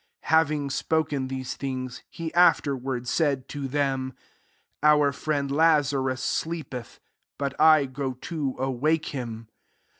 '* 11 Having spoken these things, he afterward said to them, " Our friend Lazarus sleepeth ; but I go to awake him."